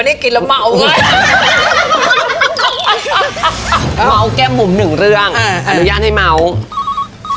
ในวงเล่ามันก็ต้องมีการโกรธ